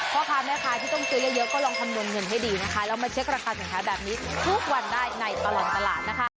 พ่อค้าแม่ค้าที่ต้องซื้อเยอะก็ลองคำนวณเงินให้ดีนะคะแล้วมาเช็คราคาสินค้าแบบนี้ทุกวันได้ในตลอดตลาดนะคะ